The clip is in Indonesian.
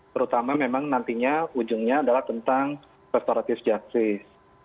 terutama memang nantinya ujungnya adalah tentang restoratif justice